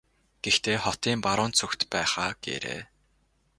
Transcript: Гэхдээ хотын баруун зүгт байх аа гээрэй.